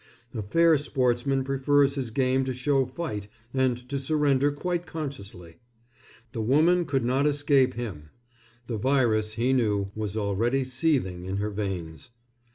A fair sportsman prefers his game to show fight and to surrender quite consciously. The woman could not escape him. The virus, he knew, was already seething in her veins.